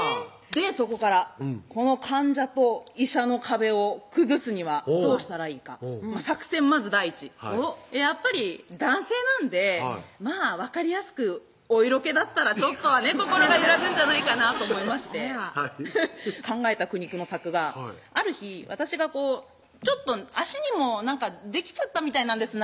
そこからこの患者と医者の壁を崩すにはどうしたらいいか作戦まず第１やっぱり男性なんで分かりやすくお色気だったらちょっとはね心が揺らぐんじゃないかなと思いまして考えた苦肉の策がある日私がこう「ちょっと脚にも何かできちゃったみたいなんです」